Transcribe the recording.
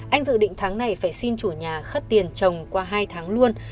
anh dự định tháng này phải xin chủ nhà khất tiền trồng qua hai tháng luôn